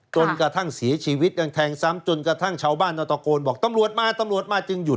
จนกระทั่งเสียชีวิตยังแทงซ้ำจนกระทั่งชาวบ้านต้องตะโกนบอกตำรวจมาตำรวจมาจึงหยุด